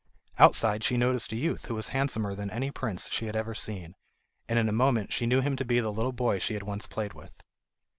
Outside she noticed a youth who was handsomer than any prince she had ever seen, and in a moment she knew him to be the little boy she had once played with.